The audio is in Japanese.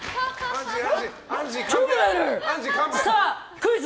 クイズ！